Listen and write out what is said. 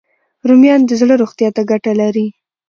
رومیان د زړه روغتیا ته ګټه لري